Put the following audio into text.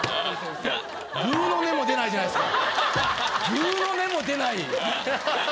ぐうの音も出ない！